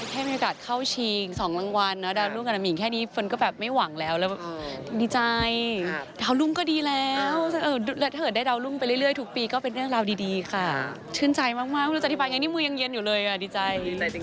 แค่มีโอกาสเข้าชิง๒รางวัลนะดาวรุ่งกับน้ำหิ่งแค่นี้เฟิร์นก็แบบไม่หวังแล้วแล้วดีใจดาวรุ่งก็ดีแล้วแล้วถ้าเกิดได้ดาวรุ่งไปเรื่อยทุกปีก็เป็นเรื่องราวดีค่ะชื่นใจมากไม่รู้จะอธิบายไงนี่มือยังเย็นอยู่เลยอ่ะดีใจ